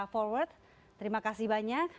forward terima kasih banyak